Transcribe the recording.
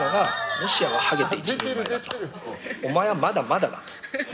お前はまだまだだと。